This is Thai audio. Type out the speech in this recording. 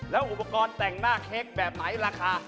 แล้วอุปกรณ์แต่งหน้าเค้กแบบไหนราคา